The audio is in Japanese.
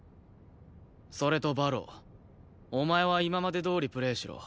それと馬狼お前は今までどおりプレーしろ。